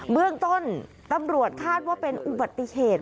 เบื้องต้นตำรวจคาดว่าเป็นอุบัติเหตุ